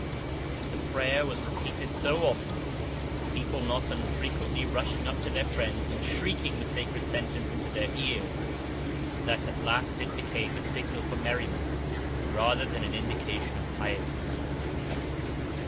This prayer was repeated so often, people not unfrequently rushing up to their friends and shrieking the sacred sentence into their ears, that at last it became a signal for merriment rather than an indication of piety.